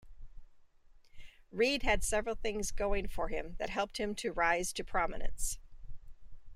Reid had several things going for him that helped him to rise to prominence.